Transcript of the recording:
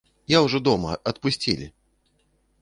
Я ўжо дома, адпусцілі!